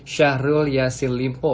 syahrul yassin limpo